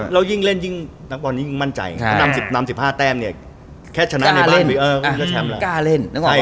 แล้วยิ่งเล่นนักบอลยิ่งมั่นใจนำ๑๕แต้มเนี่ยแค่ชนะในบ้านคุณก็แชมป์แล้ว